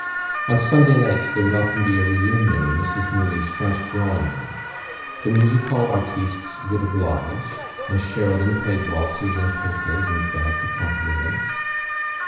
On Sunday nights there would often be a reunion in Mrs Mooney's front drawing room. The music hall artistes would oblige; and Sheridan played waltzes and polkas and vamped accompaniments.